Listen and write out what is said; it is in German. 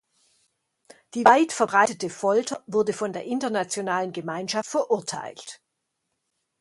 Die weit verbreitete Folter wurde von der internationalen Gemeinschaft verurteilt.